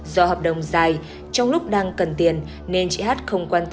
do hợp đồng dài trong lúc đang cần tiền nên chị hát không quan tâm